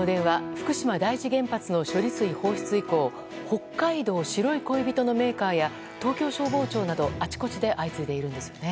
福島第一原発の処理水放出以降北海道白い恋人のメーカーや東京消防庁などあちこちで相次いでいるんです。